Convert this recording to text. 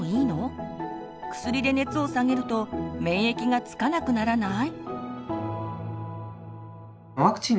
薬で熱を下げると免疫がつかなくならない？